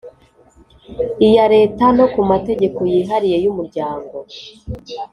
Iya leta no ku mategeko yihariye y umuryango